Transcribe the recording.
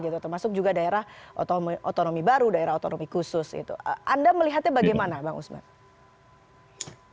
termasuk juga daerah otonomi baru daerah otonomi khusus itu anda melihatnya bagaimana bang usman